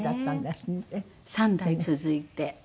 三代続いて。